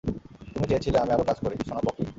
তুমি চেয়েছিলে আমি আরও কাজ করি, সোনাপকি।